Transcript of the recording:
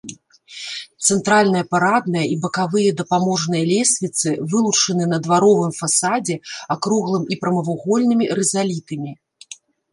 Цэнтральная парадная і бакавыя дапаможныя лесвіцы вылучаны на дваровым фасадзе акруглым і прамавугольнымі рызалітамі.